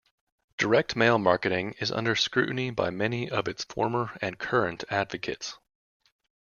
Direct mail marketing is under scrutiny by many of its former and current advocates.